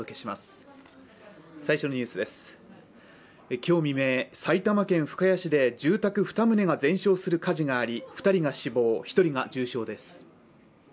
今日未明、埼玉県深谷市で住宅２棟が全焼する火事があり２人が死亡１人が重傷です。